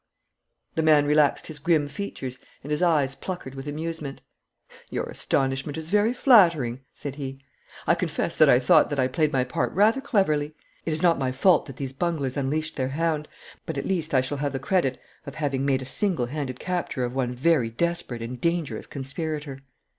The man relaxed his grim features, and his eyes puckered with amusement. 'Your astonishment is very flattering,' said he. 'I confess that I thought that I played my part rather cleverly. It is not my fault that these bunglers unleashed their hound, but at least I shall have the credit of having made a single handed capture of one very desperate and dangerous conspirator.'